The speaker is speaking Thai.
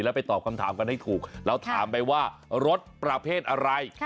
แล้วไปตอบคำถามกันให้ถูกเราถามไปว่ารถประเภทอะไร